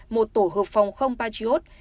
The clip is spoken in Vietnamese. một tổ hợp phòng không patriot